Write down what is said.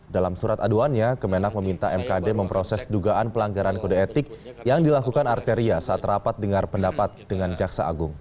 dalam surat aduannya kemenak meminta mkd memproses dugaan pelanggaran kode etik yang dilakukan arteria saat rapat dengar pendapat dengan jaksa agung